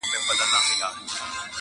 ته یې کاږه زموږ لپاره خدای عادل دی,